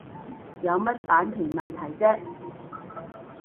有乜版權問題啫